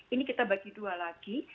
ini kita bagi dua lagi